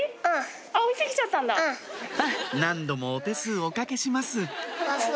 何度もお手数おかけします